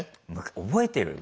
覚えてる？